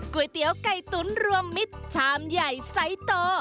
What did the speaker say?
ก๋วยเตี๋ยวไก่ตุ๋นรวมมิตรชามใหญ่ไซส์โต